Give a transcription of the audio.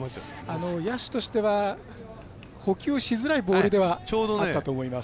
野手としては捕球しづらいボールではあったと思います。